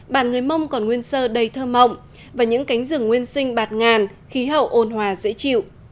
bản người mông còn nguyên sơ đầy thơ mộng và những cánh rừng nguyên sinh bạt ngàn khí hậu ôn hòa dễ chịu